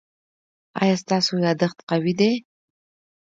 ایا ستاسو یادښت قوي دی؟